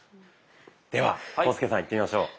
では浩介さんいってみましょう。